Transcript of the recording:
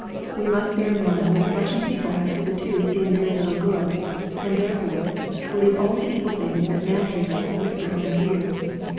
We must bear in mind that the Russian people have hitherto seen very little good, and therefore, believe all the evil things that man haters whisper in their ears.